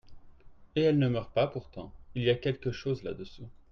Et elle ne meurt pas pourtant ; il y a quelque chose là-dessous.